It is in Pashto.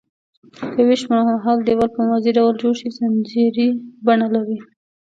که ویش پرمهال دیوال په موازي ډول جوړ شي ځنځیري بڼه لري.